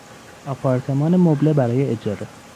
آپارتمان مبله برای اجاره